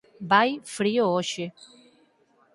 Vai frío hoxe